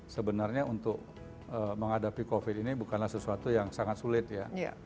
sebenarnya untuk menghadapi covid ini bukanlah sesuatu yang sangat sulit ya